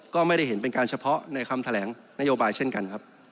ก็ไม่ได้เห็นเป็นการเฉพาะในคำแถลงนโยบายเช่นกันครับ